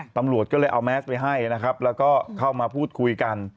ตำรวจก็เลยเอาแมสไปให้นะครับแล้วก็เข้ามาพูดคุยกัน